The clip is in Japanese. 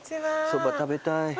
そば食べたい。